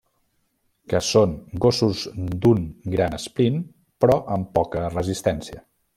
Que són gossos d'un gran esprint però amb poca resistència.